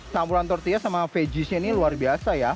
samburan tortilla sama veggiesnya ini luar biasa ya